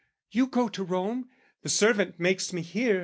"You go to Rome, the servant makes me hear.